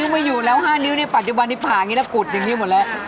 ไม่อยู่แล้ว๕นิ้วในปัจจุบันนี้ผ่าอย่างนี้แล้วกุดอย่างนี้หมดแล้ว